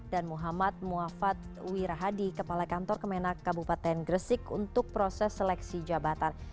dan muhammad muafat wirahadi kepala kantor kemenak kabupaten gresik untuk proses seleksi jabatan